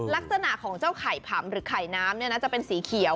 ลักษณะของเจ้าไข่ผำหรือไข่น้ำจะเป็นสีเขียว